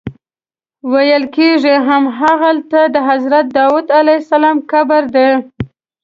ویل کېږي همغلته د حضرت داود علیه السلام قبر دی.